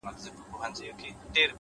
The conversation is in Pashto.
پوهه د تیروتنو شمېر راکموي’